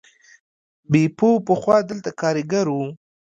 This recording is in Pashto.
بیپو پخوا دلته کارګر و.